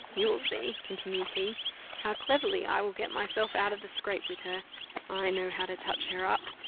You will see," continued he, "how cleverly I will get myself out of the scrape with her. I know how to touch her up.